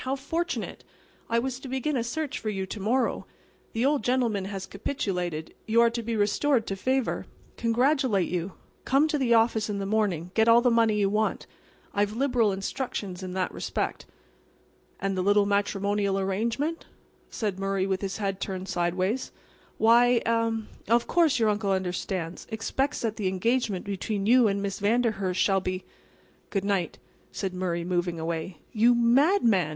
"How fortunate! I was to begin a search for you to morrow. The old gentleman has capitulated. You're to be restored to favor. Congratulate you. Come to the office in the morning and get all the money you want. I've liberal instructions in that respect." "And the little matrimonial arrangement?" said Murray, with his head turned sidewise. "Why—er—well, of course, your uncle understands—expects that the engagement between you and Miss Vanderhurst shall be"— "Good night," said Murray, moving away. "You madman!"